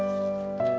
gak ada apa apa